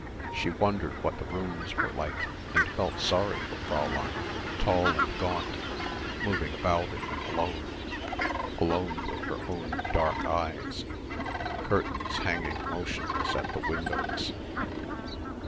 She wondered what the rooms were like and felt sorry for Fräulein, tall and gaunt, moving about in them alone, alone with her own dark eyes, curtains hanging motionless at the windows